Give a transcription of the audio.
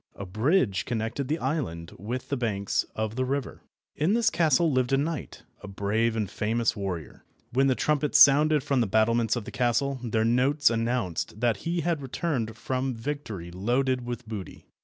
A bridge connected the island with the banks of the river. In this castle lived a knight, a brave and famous warrior. When the trumpets sounded from the battlements of the castle, their notes announced that he had returned from victory loaded with booty.